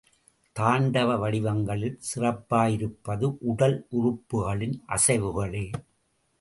தாண்டவ வடிவங்களில் சிறப்பாயிருப்பது உடல் உறுப்புகளின் அசைவுகளே.